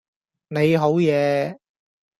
你好嘢